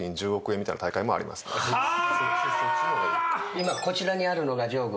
今こちらにあるのが１０億。